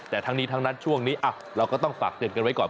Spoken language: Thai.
แต่ทั้งนี้ทั้งนั้นช่วงนี้เราก็ต้องฝากเตือนกันไว้ก่อน